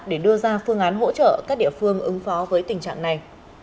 để đưa ra phương án hỗ trợ các địa phương ứng phó với tình trạng này